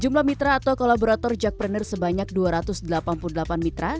jumlah mitra atau kolaborator jackpreneur sebanyak dua ratus delapan puluh delapan mitra